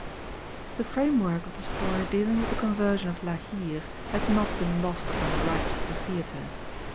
The framework of the story dealing with the conversion of La Hire has not been lost upon the writers of the theatre.